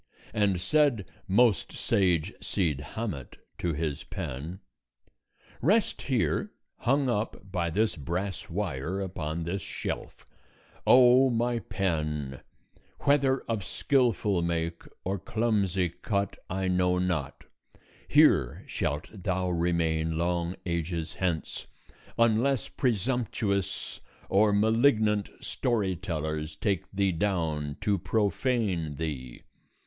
And said most sage Cid Hamet to his pen: "Rest here, hung up by this brass wire, upon this shelf. O my pen! whether of skillful make or clumsy cut I know not; here shalt thou remain long ages hence, unless presumptuous or malignant story tellers take thee down to profane thee.